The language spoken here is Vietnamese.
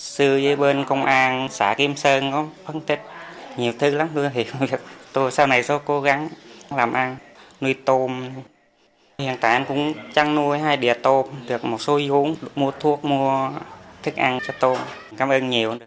sư bên công an xã kim sơn có phân tích nhiều thứ lắm tôi sẽ cố gắng làm ăn nuôi tôn hiện tại em cũng chăn nuôi hai đĩa tôn được một số vốn mua thuốc mua thức ăn cho tôn cảm ơn nhiều